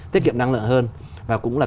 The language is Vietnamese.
tiết kiệm năng lượng hơn và cũng là